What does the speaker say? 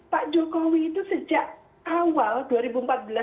pak jokowi itu sejak awal